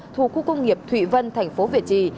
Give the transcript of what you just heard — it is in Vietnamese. thu khu công nghiệp thụy vân tp việt trì